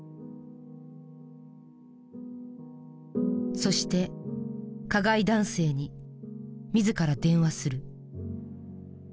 そして加害男性に自ら電話する。